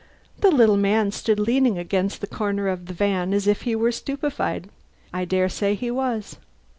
The little man stood leaning against a corner of the van as if he were stupefied. I dare say he was.